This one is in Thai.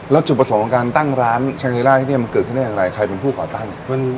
แล้วจุดผสมของการตั้งร้านแชงลีล่าที่นี่มันเกิดที่นี่อย่างไรใครเป็นผู้ขอตั้ง